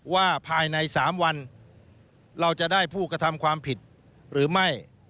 ว่าภายใน๓วันเราจะได้ผู้กระทำความผิดหรือไม่